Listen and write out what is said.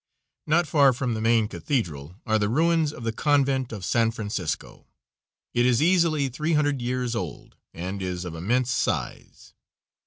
Not far from the main Cathedral are the ruins of the Convent of San Francisco. It is easily three hundred years old, and is of immense size.